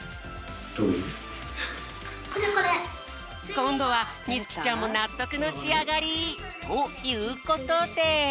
こんどはみつきちゃんもなっとくのしあがり！ということで。